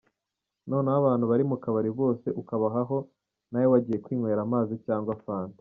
Noneho abantu bari mu kabari bose ukabahaho, nawe wagiye kwinywera amazi cyangwa fanta…”.